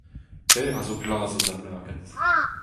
Per a zo glas e zaoulagad